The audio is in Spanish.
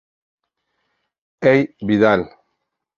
E. Vidal.